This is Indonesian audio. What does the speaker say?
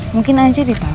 mungkin aja di tau